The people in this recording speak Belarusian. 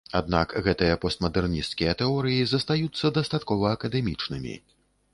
Аднак гэтыя постмадэрнісцкія тэорыі застаюцца дастаткова акадэмічнымі.